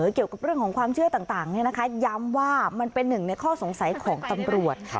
เกี่ยวกับเรื่องของความเชื่อต่างย้ำว่ามันเป็นหนึ่งในข้อสงสัยของตำรวจ